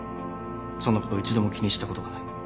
そんなこと一度も気にしたことがない。